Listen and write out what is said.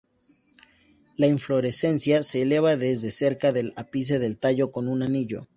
La inflorescencia se eleva desde cerca del ápice del tallo con un anillo.